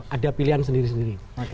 ada pilihan sendiri sendiri